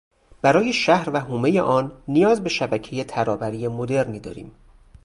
برای شهر و حومهی آن نیاز به شبکهی ترابری مدرنی داریم.